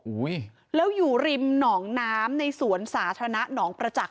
อุ้ยแล้วอยู่ริมหนองน้ำในสวนสาธารณะหนองประจักษ